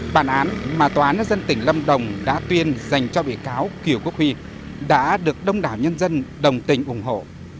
bản án mà tòa án dân tỉnh lâm đồng đã tuyên dành cho bị cáo kiều quốc huy đã được đông đảo nhân dân đồng tình ủng hộ